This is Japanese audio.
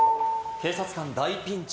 警察官大ピンチ！